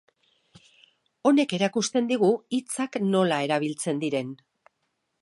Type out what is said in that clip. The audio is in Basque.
Honek erakusten digu hitzak nola erabiltzen diren.